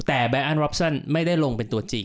แต่ใบอันรอปชั่นไม่ได้ลงเป็นตัวจริง